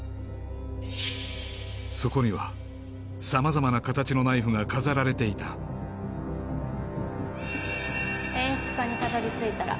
そこには様々な形のナイフが飾られていた演出家にたどりついたら